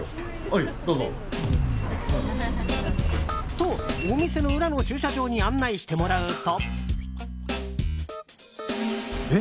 と、お店の裏の駐車場に案内してもらうと。